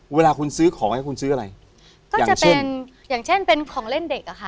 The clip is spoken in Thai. เวลาคุณซื้อของให้คุณซื้ออะไรก็อยากจะเป็นอย่างเช่นเป็นของเล่นเด็กอ่ะค่ะ